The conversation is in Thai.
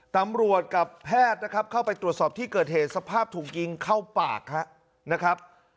ตำรวจกับแพทย์นะครับเข้าไปตรวจสอบที่เกิดเหตุสภาพถุงกิ้งเข้าปากนะครับ